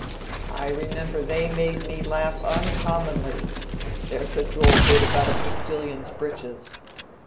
I remember they made me laugh uncommonly—there's a droll bit about a postilion's breeches.